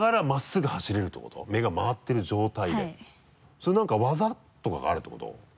それなんか技とかがあるってこと？